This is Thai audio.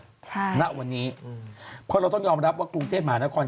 ใช่ณวันนี้อืมเพราะเราต้องยอมรับว่ากรุงเทพมหานคร